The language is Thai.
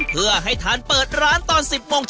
เพย์ใส่ถาดให้มันกระด้างอะค่ะ